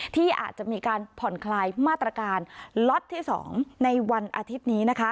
ที่อาจจะมีการผ่อนคลายมาตรการล็อตที่๒ในวันอาทิตย์นี้นะคะ